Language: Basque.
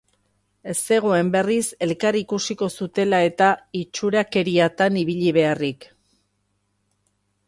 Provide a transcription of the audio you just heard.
Ez zegoen berriz elkar ikusiko zutela-eta itxurakeriatan ibili beharrik.